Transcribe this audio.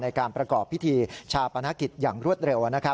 ในการประกอบพิธีชาปนกิจอย่างรวดเร็ว